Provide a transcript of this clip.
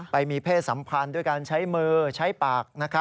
ไปมีเพศสัมพันธ์ด้วยการใช้มือใช้ปาก